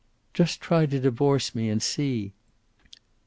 "Just try to divorce me, and see!"